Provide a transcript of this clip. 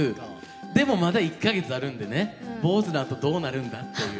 でもまだ１か月あるんでね坊主のあとどうなるんだという。